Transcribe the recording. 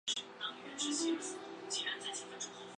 温州地区早在商周时期就已经生产原始瓷器。